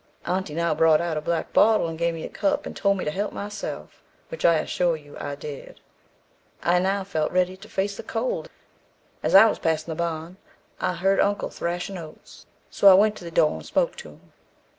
"' "Aunty now brought out a black bottle and gave me a cup, and told me to help myself, which I assure you I did. I now felt ready to face the cold. As I was passing the barn I heard uncle thrashing oats, so I went to the door and spoke to him.